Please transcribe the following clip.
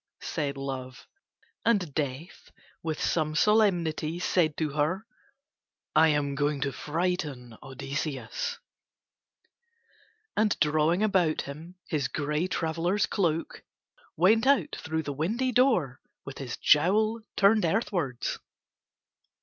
said Love. And Death with some solemnity said to Her: "I am going to frighten Odysseus"; and drawing about him his grey traveller's cloak went out through the windy door with his jowl turned earthwards.